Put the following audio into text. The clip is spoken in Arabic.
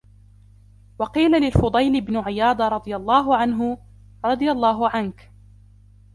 وَقِيلَ لِلْفُضَيْلِ بْنِ عِيَاضٍ رَضِيَ اللَّهُ عَنْهُ رَضِيَ اللَّهُ عَنْك